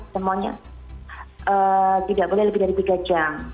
semuanya tidak boleh lebih dari tiga jam